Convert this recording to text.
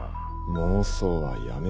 妄想はやめろ。